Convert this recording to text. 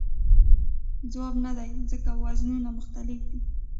ځواب نه دی ځکه وزنونه مختلف دي.